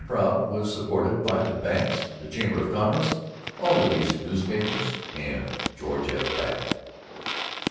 Prout was supported by the banks, the Chamber of Commerce, all the decent newspapers, and George F. Babbitt.